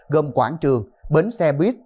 gồm quảng trường bến xe buýt